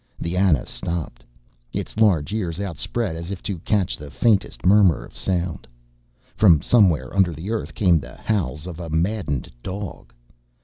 The Ana stopped, its large ears outspread as if to catch the faintest murmur of sound. From somewhere under the earth came the howls of a maddened dog.